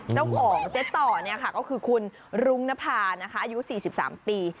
เจ้าห่องเจ๊ต่อเนี่ยค่ะก็คือคุณรุงนภานะคะอายุ๔๓ปี